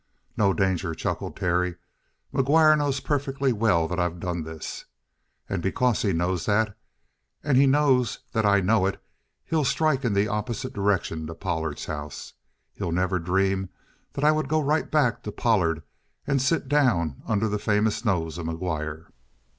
"No danger," chuckled Terry. "McGuire knows perfectly well that I've done this. And because he knows that, and he knows that I know it, he'll strike in the opposite direction to Pollard's house. He'll never dream that I would go right back to Pollard and sit down under the famous nose of McGuire!"